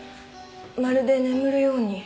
まるで眠るように。